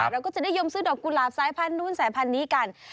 เราก็จะนิยมซื้อดอกกุหลาบสายพันธุ์สายพันธุ์นี้กัน